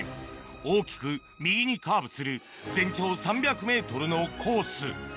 大きく右にカーブする全長３００ｍのコース